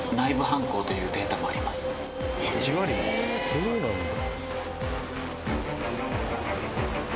そうなんだ。